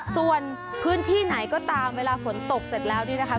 ส่วนพื้นที่ไหนก็ตามเวลาฝนตกเสร็จแล้วนี่นะคะ